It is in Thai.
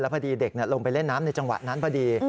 พอดีเด็กลงไปเล่นน้ำในจังหวะนั้นพอดี